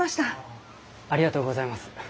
ありがとうございます。